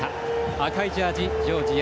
赤いジャージ、ジョージア。